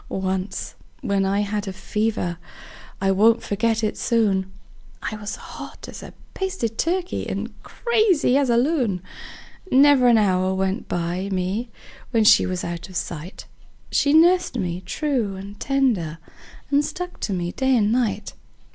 Once when I had a fever I won't forget it soon I was hot as a basted turkey and crazy as a loon; Never an hour went by me when she was out of sight She nursed me true and tender, and stuck to me day and night.